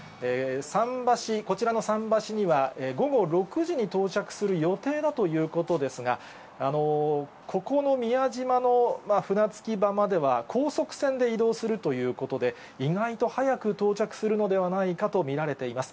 桟橋、こちらの桟橋には、午後６時に到着する予定だということですが、ここの宮島の船着き場までは、高速船で移動するということで、意外と早く到着するのではないかと見られています。